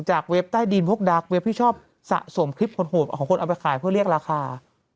เว็บใต้ดินพวกดาร์เว็บที่ชอบสะสมคลิปโหดของคนเอาไปขายเพื่อเรียกราคา